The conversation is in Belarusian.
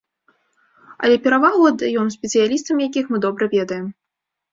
Але перавагу аддаём спецыялістам, якіх мы добра ведаем.